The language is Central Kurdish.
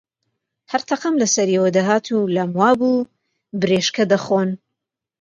هەر تەقەم لە سەریەوە دەهات و لام وا بوو برێشکە دەخۆن